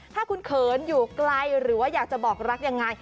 ถ้าคุณเขินอยู่ไกลหรือว่าอยากจะบอกรักยังไง